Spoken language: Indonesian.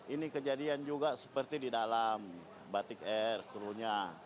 ini kejadian juga seperti di dalam batik air krunya